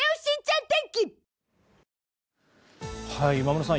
今村さん